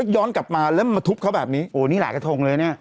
ย้อนกลับมาแล้วมาทุบเขาแบบนี้โอ้นี่หลายกระทงเลยเนี่ย